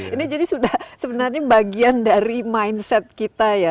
ini jadi sudah sebenarnya bagian dari mindset kita ya